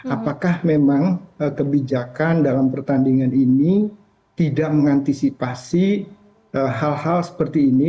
apakah memang kebijakan dalam pertandingan ini tidak mengantisipasi hal hal seperti ini